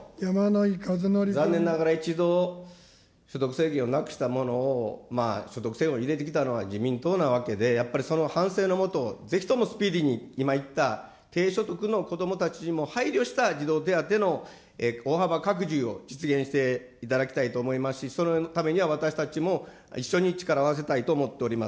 残念ながら、一度、所得制限をなくしたものを、所得制限を入れてきたのは自民党なわけで、やっぱりその反省のもと、ぜひともスピーディーに、今言った低所得のこどもたちにも配慮した児童手当の大幅拡充を実現していただきたいと思いますし、そのためには、私たちも一緒に力を合わせたいと思っております。